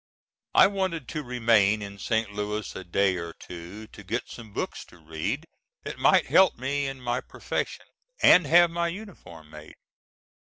I wanted to remain in St. Louis a day or two to get some books to read that might help me in my profession, and have my uniform made.